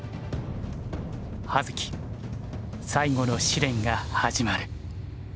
葉月最後の試練が始まる。